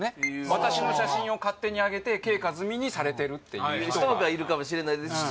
私の写真を勝手にあげてＫ．カズミにされてるっていう人がいるかもしれないですし